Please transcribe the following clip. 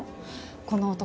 この男